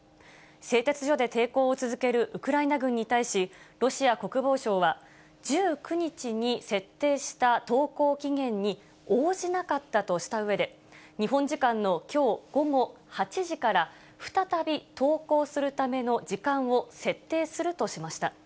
製鉄所で抵抗を続けるウクライナ軍に対し、ロシア国防省は、１９日に設定した投降期限に応じなかったとしたうえで、日本時間のきょう午後８時から再び投降するための時間を設定するとしました。